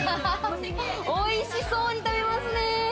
おいしそうに食べますね。